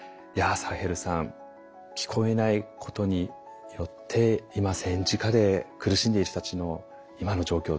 サヘルさん聞こえないことによって今戦時下で苦しんでいる人たちの今の状況